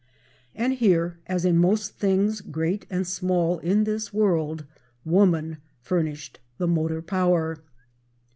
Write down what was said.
And here, as in most things great and small in this world, woman furnished the motor power.